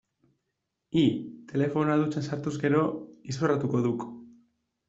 Hi, telefonoa dutxan sartuz gero, izorratuko duk.